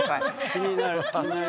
気になるね。